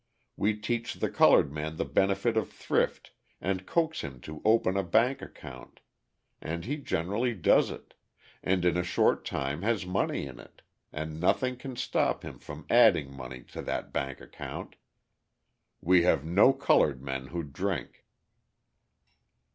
We teach the coloured man the benefit of thrift, and coax him to open a bank account; and he generally does it, and in a short time has money in it, and nothing can stop him from adding money to that bank account. We have no coloured men who drink."